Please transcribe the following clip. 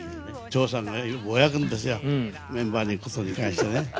長さんがよくぼやくんですよ、メンバーのことに関してね。